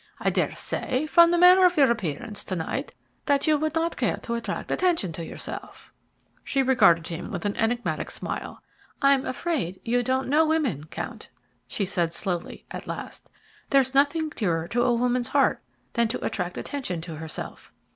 I dare say, from the manner of your appearance to night, that you would not care to attract attention to yourself." She regarded him with an enigmatic smile. "I'm afraid you don't know women, Count," she said slowly, at last. "There's nothing dearer to a woman's heart than to attract attention to herself."